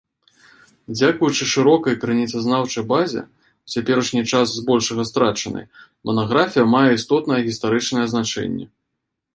Дзякуючы шырокай крыніцазнаўчай базе, у цяперашні час збольшага страчанай, манаграфія мае істотнае гістарычнае значэнне.